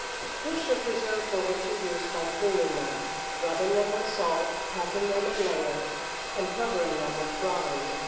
Fish are preserved for winter use by cleaning them, rubbing them with salt, packing them in layers, and covering them with brine.